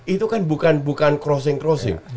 itu kan bukan crossing crossing